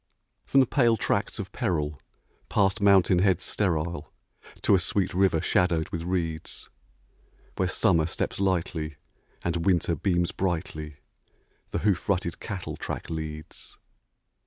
From the pale tracts of peril, past mountain heads sterile, To a sweet river shadowed with reeds, Where Summer steps lightly, and Winter beams brightly, The hoof rutted cattle track leads.